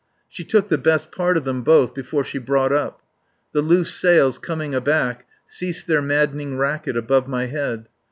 She took the best part of them both before she brought up. The loose sails coming aback ceased their maddening racket above my head.